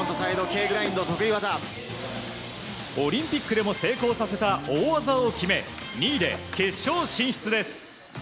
オリンピックでも成功させた大技を決め２位で決勝進出です。